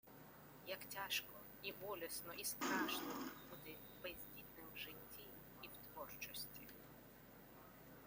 Як тяжко, і болісно, і страшно бути бездітним в житті і в творчості.